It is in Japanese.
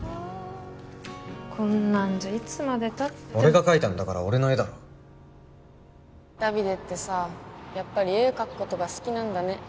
こんなんじゃいつまでたっても俺が描いたんだから俺の絵だろダビデってさやっぱり絵を描くことが好きなんだね